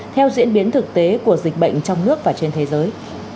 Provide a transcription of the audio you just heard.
theo diễn biến thực tế của dịch bệnh trong nước và trên thế giới